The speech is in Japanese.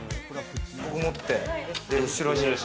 ここ持って後ろに。